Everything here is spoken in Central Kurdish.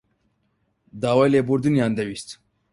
داوای لێبوردنیان دەویست.